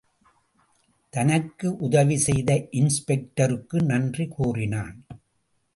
தனக்கு உதவி செய்த இன்ஸ்பெக்டருக்கு நன்றி கூறினான்.